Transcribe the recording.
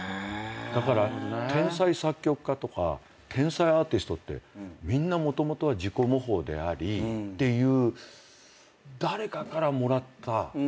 だから天才作曲家とか天才アーティストってみんなもともとは自己模倣でありっていう。